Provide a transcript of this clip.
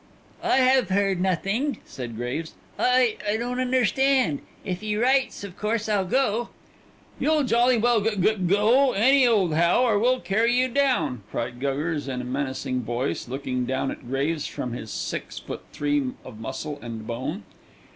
"I have heard nothing," said Graves. "I I don't understand. If he writes of course I'll go." "You'll jolly well gug gug go, any old how, or we'll carry you down," cried Guggers in a menacing voice, looking down at Graves from his six foot three of muscle and bone.